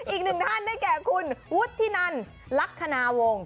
อีกหนึ่งท่านได้แก่คุณวุฒินันลักษณะวงศ์